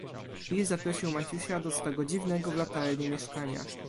"I zaprosił Maciusia do swego dziwnego w latarni mieszkania."